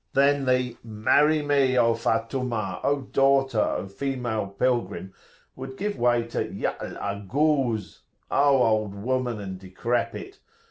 Then [p.176]the "Marry me, O Fattumah, O daughter, O female pilgrim!" would give way to Y'al Ago o oz! (O old woman and decrepit!)